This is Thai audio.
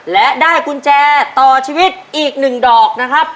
และได้กุญแจต่อชีวิตอีก๑ดอกนะครับ